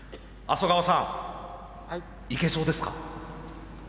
麻生川さんいけそうですか？